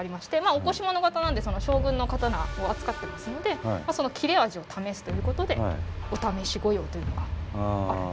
御腰物方なんで将軍の刀を扱ってますのでその切れ味を試すということで御様御用というのがあるんですね。